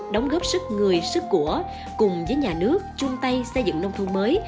đóng góp sức người sức của cùng với nhà nước chung tay xây dựng nông thôn mới